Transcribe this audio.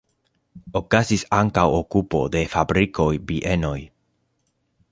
Okazis ankaŭ okupo de fabrikoj, bienoj.